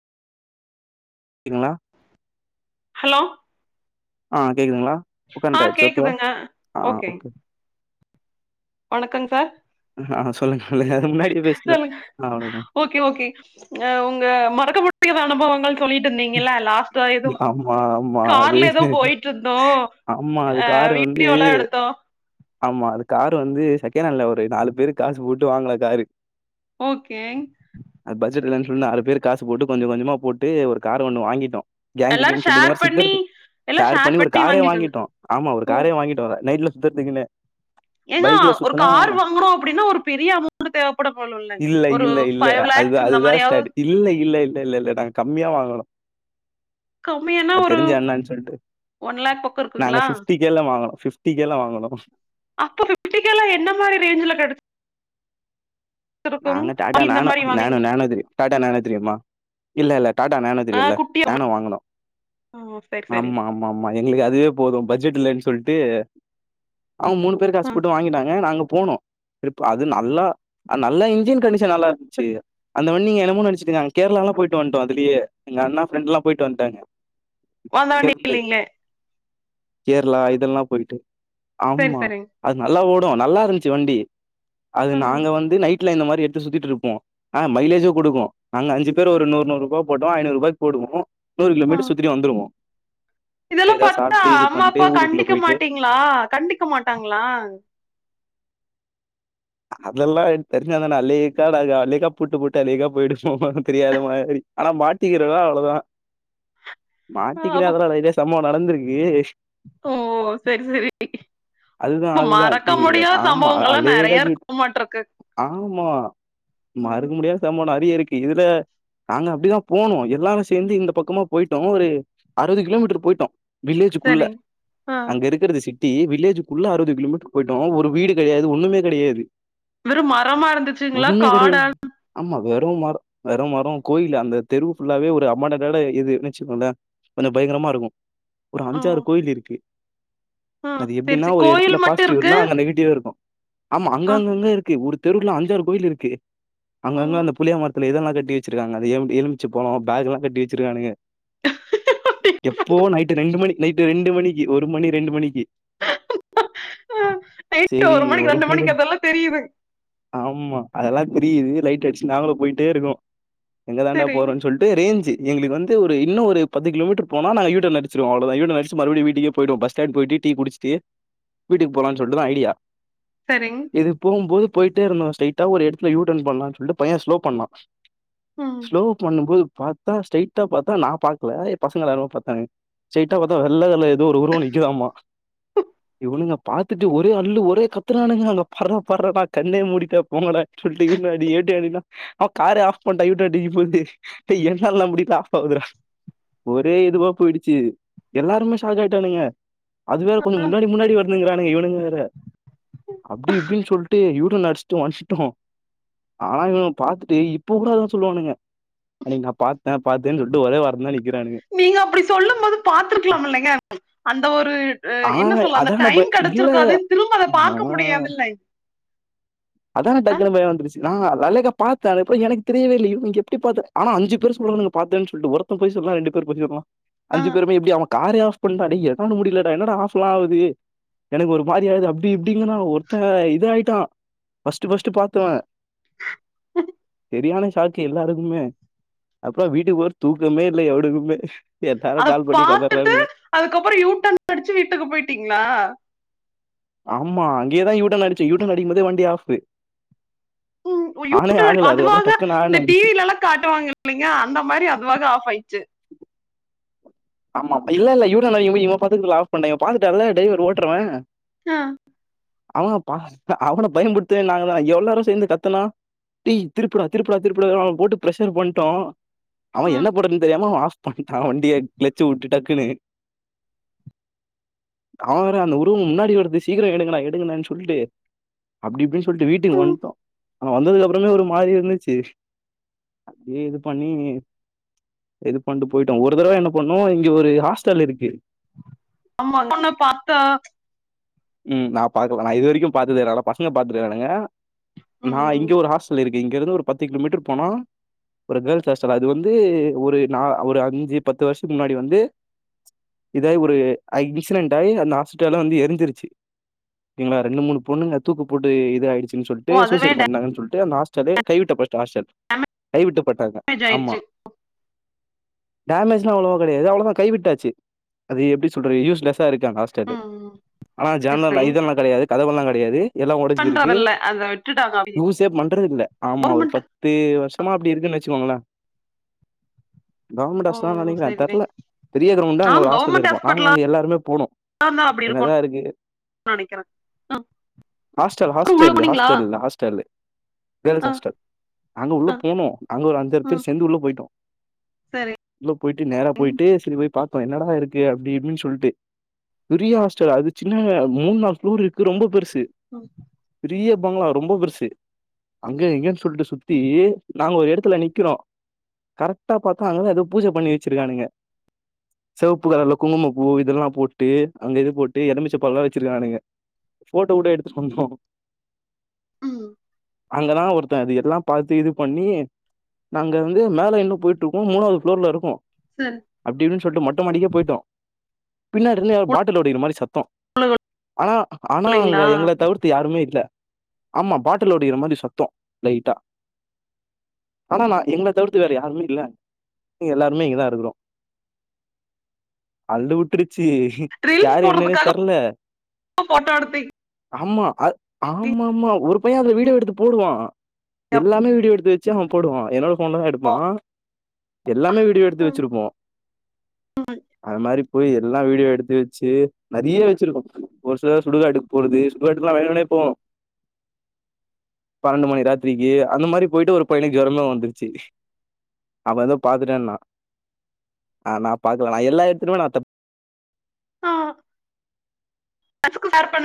ங்களா ஹலோ ஆ கேக்குதுங்களா போ ஆ கண்க்ட் ஆயிடுச்சு ஓகேவா கேக்குதுங்க ஆ ஓகே வணக்கங் சார் ஆ சொல்லுங்க ஹலோஹ சொல்லுங்க ஓகே ஓகே ஆ உங்க மறக்க முடியாதா அனுபவங்கள் சொல்லிட்டு இருந்தீங்கல்ல லாஸ்ட்டா எதோ ஆமா, ஆமா. அது கார்ல ஏதோ போயிட்டு இருந்தோ ஆமா அது அ காரு வந்து வீடியோ எல்லா எடுத்தோ ஆமா அது காரு வந்து செகண்ட் ஹாண்ட்ல ஒரு நாலு பேரு காசு போட்டு வாங்குன காரு ஓகே நாலு பேரு காசு போட்டு கொஞ்ச கொஞ்சமா போட்டு ஒரு காரு ஒண்ணு வாங்கிட்டோ எல்லாரு கேங்குகுன்னு சொல்லி இந்த ஷேர் மாரி பண்ணி சுத்தறது ஷேர் பண்ணி ஒரு காரே வாங்கிட்டோ ஆமா ஒரு காரே வாங்கிட்டோ நைட்ல சுத்தறதுக்குன்னு ஏங்கா ஒரு கார் வாங்கறோ அப்டின்னா ஒரு பெரிய அமௌண்ட் தேவப்பட போல இல்லங் ஒரு ஃபைவ் அதுதா லேக்ஸ் இந்த அதுதா மாரியாவது ஸ்டேடு இல்ல இல்ல இல்ல இல்ல இல்ல நாங்க கம்மியா வாங்குனோ கம்மியானா அது ஒரு தெரிஞ்ச அண்ணா சொல்ட்டு ஒன் லேக் பக்கோ நாங்க இருக்குங்களா ஃபிஃப்டி கே லா வாங்குனோ ஃபிஃப் டி கே லா வாங்குனோ அப்றோ ஃபிஃப்டி கே லா என்ன மாரி ரேஞ்சில கெடச் நாங்க டாடா இந்த நானோ மாரி வாங்குனீங் நேனோ நேனோ தெரியு டாடா நேனோ தெரியுமா இல்லல்ல டாடா நேனோ ஆ தெரியுல்ல குட்டியா நேனோ வாங்குனோ ஆ சரி சரி ஆமா ஆமா ஆமா எங்களுக்கு அதுவே போது பட்ஜெட் இல்லன் சொல்ட் டு அவங் மூணு பேரு ஆ காஸ் போட்டு வாங்கிட்டாங்க நாங்க போனோ [unintelligible] ப்பா அது நல்லா அத் நல்லா இன்ஜின் கண்டிஷன் நல்லா இருந்துச்சு அந்த வண் நீங்க என்னமோ நெனைச்சுக்குங்க நாங் கேரளாலா போய்ட்டு வந்ட்டோ அதுலியே எங்க அண்ணா ஃப்ரெண்ட்லா போய்ட்டு வந்ட்டாங்க ஓ அந்த இங்க வண்டி இருந்து இல்லீங்களே கேரளா இதெல்லா போய்ட்டு சரி ஆம்மா சரிங்க அது நல்லா ஓ டு நல்லாருந்ச்சு வண்டி அது ஆ நாங்க வந் வீட்ல இந்த மாரி எடுத்து சுத்திட்ருப்போ ஆ மைலேஜு குடுக்கு நாங்க அஞ்சு பேர் ஒரு நூர் நூர் ருபா போட்டோ ஐநூர் ருபாய்க் போடுவோ நூறு கிலோ ஆ மீட்ரு சுத்திட்டு வந்துருவோ இதெல்லா எதா பாத்தா சாப்ட்டு இது அம்மா பண்ட்டு அப்பா ஊருக்குள்ள கண்டிக்க போயிட்டு மாட்டீங்ளா கண்டிக்க மாட்டாங்ளா அதெல்லா தெரிஞ்சா தான அல்லேக்கா நாங்க அல்லேக்கா புட்டு புட்டு அலேக்கா போயிடுவோ ஒன்னு தெரியாத மாதிரி ஆனா மாட்டிக்கிறோனோ அவ்ளோ தா ஆ மாட்டிக்கிற அப்ப அதல்லா [unintelligible] இதே சம்பவோ நடந்திருக்கு ஓ செரி செரி அதுதா ஓ அதுதா மறக்க இது முடியாத ஆமா சம்பவங்கெல்லா அல்லேக்கா நெறையா இருக்கு ஜூட் மாட்ருக்கு ஆமா ம் மறக்க முடியாத சம்பவோ நெறையா இருக்கு இதுல நாங்க அப்டி தா போனோ எல்லாரு சேந்து இந்த பக்கமா போய்ட்டோ ஒரு அறுவது கிலோமீட்ரு போய்ட்டோ வில்லேஜுக்குள்ள சரிங்க ஆ அங்க இருக்கறது சி ட்டி வில்லேஜுக்குள்ள அறுவது கிலோமீட்ரு போய்ட்டோ ஒரு வீடு கெடயாது ஒன்னுமே கெடயாது வெறு மரமா இருந்துச்சுங்ளா காடா வெறு மர வெறு மரோ கோயிலு அந்த தெரு ஃபுல்லாவே ஒரு அம்மாட்ட காடே இது வெச்சுக்கோங்ளே கொஞ்ச பயங்கரமா இருக்கு ஒரு ஆ அஞ்சாறு கோயிலிருக்கு ஆ அது சரி எப்டின்னா சரி ஒரு கோயில் எடத்துல மட்டு பாசிட்டிவ் இருக்கு இருந்தா அங்க நெகட்டீவு இருக்கு ஆமா அங்க ஆ அங்க அங்க இருக்கு ஒரு தெருவுல அஞ்சாறு கோயிலிருக்கு ஓ அங்கங்க அந்த புளிய மரத் துல இதெல்லா கட்டி வெச்சிருக்காங்க அந்த எம்ட்டு எலுமிச்ச பழோ பேக் எல்லா கட்டி வெச்சிருக்கானுக எப்போ நைட்டு ரெண்டு மணி நைட்டு ரெண்டு மணிக்கு ஒரு மணி ரெண்டு மணிக்கு ஆ நைட்டு சேரி மணிக்கு ஒரு ரெண்டு மணி மணிக்கு ரெண் அதெல்லா தெரியுது ஆம்மா அதெல்லா புரியிது லைட்டா அடிச்ட்டு நாங்களு போய்ட்டே இருக்கோ எங்க தான்டா சரிங் போறோன் சொல்ட்டு ரேஞ்சி எங்களுக்கு வந்து ஒரு இன்னு ஒரு பத்து கிலோமீட்ரு போனா நாங்க யூ டர்ன் அடிச்சிருவோ அவ்ளோ தா யூ டர்ன் அடிச்ட்டு மறுபடி வீட்டுக்கே போய்டுவோ பஸ் ஸ்டாண்ட் போய்ட்டு டீ குடிச்ட்டு வீட்டுக்கு போலான் சொல்ட்டு தா ஐடியா சரிங் போயி போய்ட்டே இருந்தோ ஸ்ட்ரெய்ட்டா ஒரு எடத்துல யூ டர்ன் பண்ணலான் சொல்ட்டு பைய ஸ்லோ பண்ணா ம் ஸ்லோ பண்ணும்போது பாத்தா ஸ்ட்ரெய்ட்டா பாத்தா நா பாக்ல எ பசங்கள எல்லார்மே பாத்தாங்க ஸ்ட்ரெய்ட்டா பாத்த வெள்ள கல து ஒரு உருவோ நிக்குதாமா இவுனுங்க பாத்துட்டு ஒரே அல்லு ஒரே கத்தரானுங்க அங்க பார்ரா பார்ரானா கண்ணே மூடிட்டா போங்கடா சொல்ட்டு யூ டனு அடி ஏ டனு அடின்னா அவ காரே ஆஃப் பண்ட்டா யூ டன் அடிக்க மாட்ட டே என்னால் நா முடிட்ரு ஆஃப் ஆவுதுடா ஒரே இதுவா போயிடுச்சி எல்லாருமே ஷாக் ஆய்ட்டானுங்க அது வேற கொஞ்ச முன்னாடி முன்னாடி வர்துங்கிறானுங்க இவுனுங் வேற அப்டி இப்டினு சொல்ட்டு யூ டர்ன் அடிச்ட்டு வந்ட்டோ ஆனா இவனுங் பாத்துட்டு இப்ப கூட அதா சொல்வானுங்க அன்னிக் நா பாத் தே பாத்தே சொல்ட்டு ஒரே வாரத் தா நிக்கிறானுங்க நீங்க அப்டி சொல்லும் போது பாத்துருக்கலாமில்லைங்க அந்த ஒரு அ ஆனா என்ன சொல்ல அந்த அதான பய டைம் இல்ல கெடச்சிருக் கு அது திரும்ப அத பாக்க ஆஹ், முடியாதில்லை [unintelligible] அதான டக்குனு பய வந்தரிசு ந நல்லைக்கா பாத்த [unintelligible] எனக்கு தெரியவே [unintelligible] அஞ்சு பேர் சொல்ராங்க பாத்தேன் சொல்ட்டு ஒருத்த பொய் சொ [unintelligible] ரெண்டு பேர் போசக்கலாம் அஞ்சு பேருமே எப்படி அவ காரே ஆஃப் பண்ணூட என்னால முடியலடா என்னடா ஆஃப்லா ஆகுது எனக்கு ஒரு மாதிரி ஆகுது அப்டி இப்டிங்கிரா ஒருத்தன் இதா ஆயிட்டா ஃபர்ஸ்ட்டு ஃபர்ஸ்ட்டு பாத்தவே [inaudible] சரியான ஷாக்கு எல்லாருக்குமே அப்ற வீட்டுக்கு போற தூக்கமே இல்ல எவடக்குமே அத பாத்துட்டு அதுக்கப்புற யூட்டேன் அடிச்சு வீட்டுக்கு போயிட்டீங்களா ஆமா அங்கேயேதான் யூடன் அடிச்ச யூடன் அடிபது வண்டி ஆப் ம், ஐயோ, ஆனே ஆகல. அதுக்கப்புறம் அதுவாக டக்குன்னு ஆன் இந்த ஆயிடுச்சு. டிவில எல்லா காட்டுவாங்க இல்லைங்க அந்த மாரி அதுவாக ஆப் ஆயிடுச்சு ஆமா ஆமா இல்ல இல்ல [unintelligible] பாத்து ஆப் பண்ட்டா பாத்துட்டால்ல டிரைவர் ஓட்றவ ஆ அவங் அவன பயம்புடுத்தன் நாங்க தான் எல்லாரு சேர்ந்து கத்துனா டீ திருப்புடா திருப்புடா திருப்புடா அவன் போட்டு பிர்ஷர் பண்ட்டோ அவன் என்ன ம், போடறன்னு தெரியாம ஆஃப் பண்ணிட்டா வண்டிய கிளச்சு விட்டு டக்குன்னு அவ வேற அந்த உருவோ முன்னாடி வருது சீக்கிரோ எடுங்கடா எடுங்கடானு சொல்லு அப்டிப்டின்னு சொ ட்டு வீட்டுக்கு ம். வன்ட்டோ ஆனா வந்ததுக்கு அப்புறமே ஒரு மாரி இருந்துச்சு அப்டியே இது பண்ணி இது பண்ணட்டு போயிட்டோ ஒரு தடவை என்ன பண்ணோ இங்க ஒரு ஹாஸ்டல் இருக்கு ஆமா அங்க தா உன்ன பாத்த ம் நா பாக்கலா நா இது வரைக்கு பாத்ததே ஆனா பசங்க பாத்திருக்கானுக நா ம், இங்க ஒரு ஹாஸ்டல் இருக்கு இங்க இருந்து ஒரு பத்து கிலோ மீட்டர் போனா ஒரு கேர்ள்ஸ் ஹாஸ்டல் அது வந்து ஒரு நா ஒரு அஞ்சு பத்து வருஷத்துக்கு முன்னாடி வந்து இதாயி ஒரு இன்சிடென்ட் ஆயி அந்த ஹாஸ்ட்டலு வந்து எரிஞ்சிருச்சு ங்களா ரெண்டு மூணு பொண்ணுங்க தூக்கு போட்டு இது ஆயிடுச்சு ன்னு சொல்ட்டு ஓ அதுவே சூசைடு பண்ணாங்க சொல்ட்டு அந்த ஹாஸ்டல கைவிட்ட ஹாஸ்டல் கைவிட்ட பட்டாங்க டேமேஜ் ஆமா ஆயிடுச்சு டேமேஜ் அவ்ளவோ கெடையாது அவளோதா கைவிட்டாச்சு அது எப்டி சொல்றது யூஸ்லெஸ் த்தா இருக்கா ஹாஸ்டலு ம், ஆனா ஜன சரி இதெல்லா கெடையாது கதவல்லா கெடையாது எல்லா ஒடைஞ்சிருக்கு பண்றதில்ல அதை விட்டுட்டாங்க யூசே பண்றது இல்ல ஆமா ஒரு கவர்மெண்ட் பத்து வருஷமா அப்டி இருக்குன்னு வெச் ச்சிங்கோஙளே கவர்மெண்ட் ஓ ஹாஸ்டல் தா நெனைக்கிறே சரி சரி தெரல பெரிய கிரவுண்டா அங்க ஆமா ஒரு ஹாஸ்டல் கவர்மெண்ட் இருக்கு நாங்க ஹாஸ்பிட்டலா அங்க எல்லாருமே போனோ இருந்தா அப்படி இருக்கும் என்னதா இருக்கு நெனைக்கிறே ஆ ஹாஸ்டல் உள்ள ஹாஸ்டல்லு போனீங்களா ஹாஸ்பிட்டல்ல ஹாஸ்டல்லு தேல்ஸ் ஆ ஹாஸ்டல் அங்க உள்ள ஆ போனோ அங்க ஒரு அஞ்சாறு பேர் ம் சேந்து உள்ள போயிட்டோ சரி உள்ள போயிட்டு நேரா போயிட்டு சரி போய் பாத்தோ என்னடா இருக்கு அப்டின்னு சொல்ட்டு பெரிய ஹாஸ்டல் அது சின்ன மூணு நாலு ஃப்ளோர் இருக்கு ரொம்ப பெருசு ம் பெரிய ப்பாங்கள ரொம்ப பெருசு அங்க இங்கன்னு சொல்ட்டு சுத்தி நாங்க ஒரு எடத்துல நிக்கிறோ கரெக்டா பாத்தா அங்காதா எதோ பூஜை பண்ணி வச்சிருக்கானுங்க செவப்பு கலர்ல்ல குங்கும பூ இதெல்லா போட்டு அங்க இது போட்டு எலுமிச்ச பழல்லா வச்சிருக்கானுக ஃபோட்டோ கூட எடுத்துட்டு வந்தோ ம் அங்கதா ஒருத்த அது எல்லா பாத்து இது பண்ணி நாங்க வந்து மேல இன்னு போயிட்டு இருக்கோ மூணாவது ஃப்ளோர்ல இருக்கோ சரி அப்டி இப்டின்னு சொல்லிட்டு மொட்ட மாடிக்கே போயிட்டோ பின்னாடிருந்து யாரோ பாட்டில் ஓடிக்கிற மாரி சத்தோ ஆனா ஆனா அங்கே போலீங்களா எங்களை தவிர்த்து யாருமே இல்ல ஆமா பாட்டிலோடகிற மாரி சத்தோ லைட்டா ஆனா நா எங்கள தவிர்த்து வேற யாருமே இல்ல எல்லாருமே இங்கதா இருக்கறோ அள்ளு வுட்டுரு ச்சி ரீல்ஸ் யாரு என்னன்னேத் போடுறதுக்காக தெர்ல போட்டோ எடுத்தீங்க ஆமா அ ஆமாமா ஒரு பைய அதுல வீடியோ எடுத்துப் போடுவா எல்லாமே வீடியோ எடுத்து வெச்சு அவ போடுவா என்னோட ஃபோன்லதா எடுப்பா எல்லாமே வீடியோ எடுத்து ம் வெச்சிருப்போ அது மாரி போய் எல்லா வீடியோ எடுத்து வெச்சு நெறைய வெச்சிருக்கோ ஒரு சிலர் சுடுகாட்டுக்கு போறது சுடுகாட்டுகெல்லா வேணுனே போனோ பன்னெண்டு மணி ராத்திரிக்கு அந்த மாரி போயிட்டு ஒரு பையனுக்கு ஜொரமே வந்துருச்சு அவ எதோ பாத்துட்டேன்னா, ஆ நா பாக்கலா, நா எல்லா எடத்துலையுமே நா தப் ஆ ஸ்க்கு ஷேர் பண்ணு